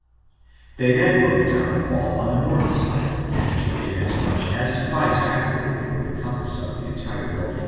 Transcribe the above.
They then broke down the wall on the north side, and took in as much as sufficed afterward for the compass of the entire temple.